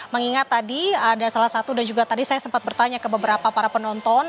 mengingat tadi ada salah satu dan juga tadi saya sempat bertanya ke beberapa para penonton